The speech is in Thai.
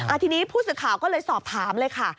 ทีนี้ผู้สื่อข่าวก็เลยสอบถามเลยค่ะ